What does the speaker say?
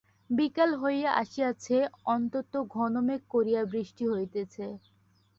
বিকাল হইয়া আসিয়াছে অত্যন্ত ঘন মেঘ করিয়া বৃষ্টি হইতেছে।